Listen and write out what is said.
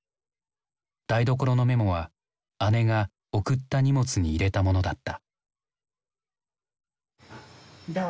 台所のメモは姉が送った荷物に入れたものだった。